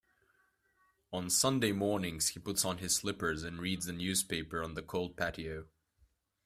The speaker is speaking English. On Sunday mornings, he puts on his slippers and reads the newspaper on the cold patio.